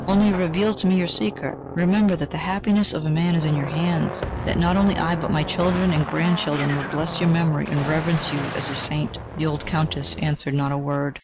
Only reveal to me your secret. Remember that the happiness of a man is in your hands, that not only I, but my children, and grandchildren will bless your memory and reverence you as a saint..." The old Countess answered not a word.